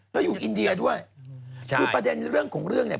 แล้วอยู่อินเดียด้วยใช่คือประเด็นเรื่องของเรื่องเนี่ย